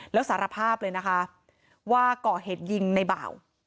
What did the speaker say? แล้วสารภาพเลยนะคะว่าก่อเหตุยิงในบ่าว